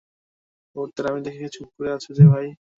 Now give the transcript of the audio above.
ওর ত্যাড়ামি দেখে চুপ করে আছো যে, ভাই?